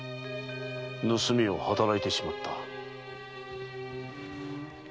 盗みを働いてしまった。